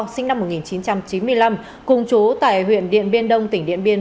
sinh năm một nghìn chín trăm chín mươi năm cùng chú tại huyện điện biên đông tỉnh điện biên